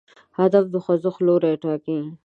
هدف د خوځښت لوری ټاکي.